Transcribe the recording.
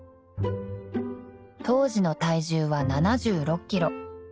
［当時の体重は７６ｋｇ］